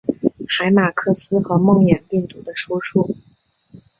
海马克斯和梦魇病毒的出处！